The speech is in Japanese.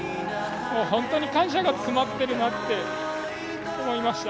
本当に感謝が詰まってるなって思いました。